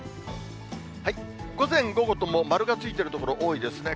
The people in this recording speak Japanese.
午前、午後とも、丸がついている所、多いですね。